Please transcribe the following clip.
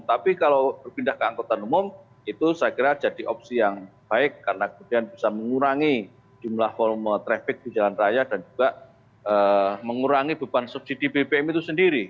tapi kalau berpindah ke angkutan umum itu saya kira jadi opsi yang baik karena kemudian bisa mengurangi jumlah volume traffic di jalan raya dan juga mengurangi beban subsidi bbm itu sendiri